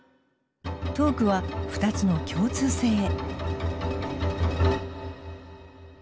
トークは２つの共通性へ。